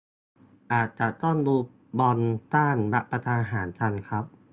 อาจจะต้องดูบอลต้านรัฐประหารกันครับ